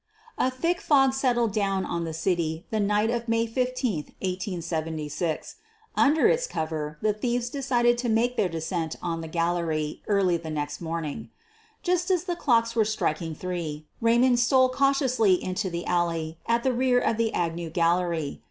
A thick fog settled down on the city the night of May 15, 1876. Under its cover the thieves decided to make their descent on the gallery early the next morning. Just as the clocks were striking three, Raymond stole cautiously into the alley at the rear of the Agnew gallery.